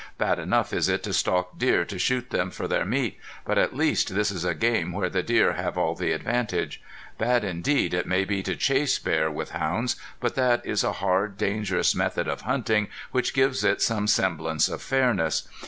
Bad enough is it to stalk deer to shoot them for their meat, but at least this is a game where the deer have all the advantage. Bad indeed it may be to chase bear with hounds, but that is a hard, dangerous method of hunting which gives it some semblance of fairness.